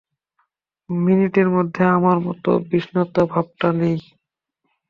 মিনির মধ্যে আমার মতো বিতৃষ্ণা ভাবটা নেই।